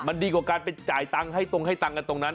มันดีกว่าการไปจ่ายตังค์ให้ตรงตรงนั้น